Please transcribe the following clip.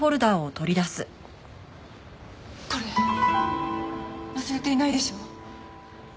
これ忘れていないでしょ？